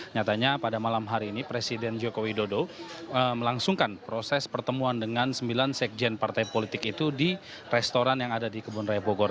nyatanya pada malam hari ini presiden joko widodo melangsungkan proses pertemuan dengan sembilan sekjen partai politik itu di restoran yang ada di kebun raya bogor